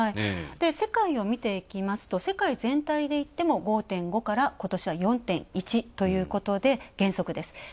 世界を見ていくと、世界全体でいっても５．５から今年は４．１ということで減速です。